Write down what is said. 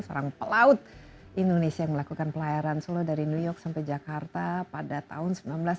seorang pelaut indonesia yang melakukan pelayaran solo dari new york sampai jakarta pada tahun seribu sembilan ratus sembilan puluh